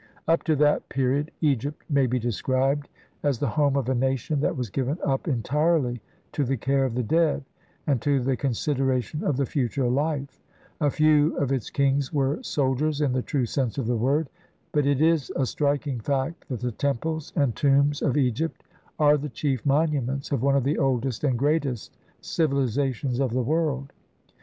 Up to that period Egypt may be described as the home of a nation that was given up entirely to the care of the dead and to the consideration of the future life ; a few of its kings were soldiers in the true sense of the word, but it is a striking fact that the temples and tombs of Egypt are the chief monuments of one of the oldest and greatest civilizations of the world.